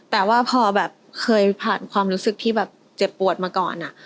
แต่ว่าพอแบบเคยผ่านความรู้สึกที่แบบเจ็บปวดมาก่อน